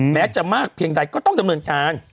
แม้จะมากเพียงใดก็ต้องดำเนินการ